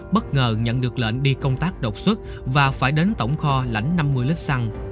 bất ngờ nhận được lệnh đi công tác đột xuất và phải đến tổng kho lãnh năm mươi lít xăng